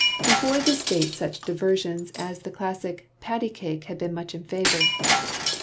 Before this date such diversions as the classic Pattycake had been much in favour.